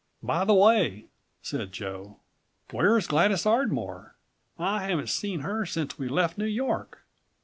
"129 "By the way," said Joe, "where is Gladys Ardmore? I haven't seen her since we left New York."